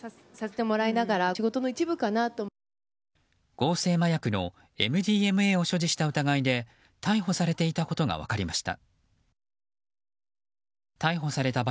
合成麻薬のＭＤＭＡを所持した疑いで逮捕されていたことが分かりました。